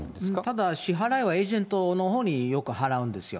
ただ支払いはエージェントのほうによく払うんですよ。